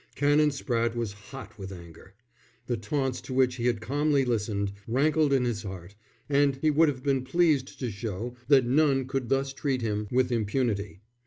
Canon Spratte was hot with anger. The taunts to which he had calmly listened, rankled in his heart, and he would have been pleased to show that none could thus treat him with impunity.